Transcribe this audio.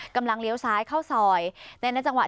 กำลังเลี้ยวซ้ายเข้าสอยในนั้นจังหวังว่า